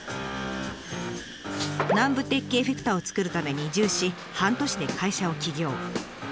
南部鉄器エフェクターをつくるために移住し半年で会社を起業。